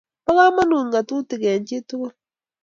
Pa kamanut ngatutik eng chii tugul